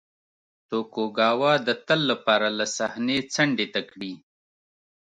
توکوګاوا د تل لپاره له صحنې څنډې ته کړي.